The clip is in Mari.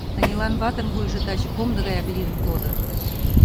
Танилан ватын вуйжо таче комдо гаяк лийын кодо.